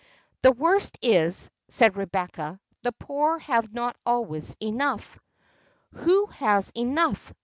"The worst is," said Rebecca, "the poor have not always enough." "Who has enough?"